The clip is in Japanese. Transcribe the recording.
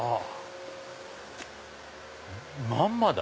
まんまだ。